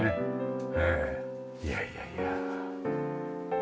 いやいやいや。